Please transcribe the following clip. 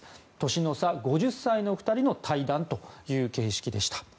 年の差５０歳の２人の対談という形式でした。